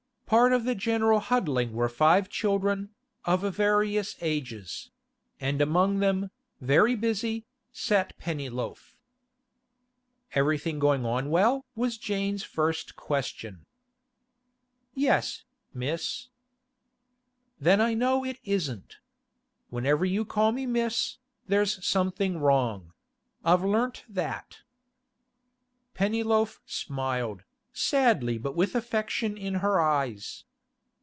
Part of the general huddling were five children, of various ages; and among them, very busy, sat Pennyloaf. 'Everything going on well?' was Jane's first question. 'Yes, Miss.' 'Then I know it isn't. Whenever you call me "Miss," there's something wrong; I've learnt that.' Pennyloaf smiled, sadly but with affection in her eyes.